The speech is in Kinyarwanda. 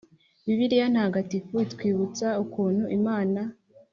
-bibiliya ntagatifu itwibutsa ukuntu imana